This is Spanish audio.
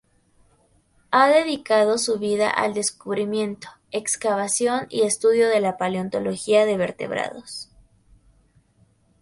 Ha dedicado su vida al descubrimiento, excavación y estudio de la Paleontología de vertebrados.